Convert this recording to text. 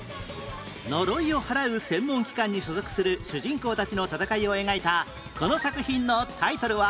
呪いを祓う専門機関に所属する主人公たちの戦いを描いたこの作品のタイトルは？